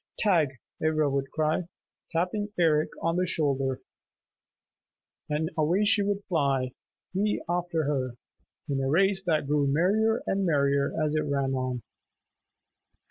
"Tag," Ivra would cry, tapping Eric on the shoulder, and away she would fly, he after her, in a race that grew merrier and merrier as it ran on.